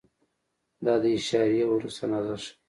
دا د اعشاریې وروسته اندازه ښیي.